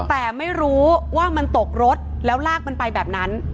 แต่ไม่รู้ว่ามันตกรถแล้วลากมันไปแบบนั้น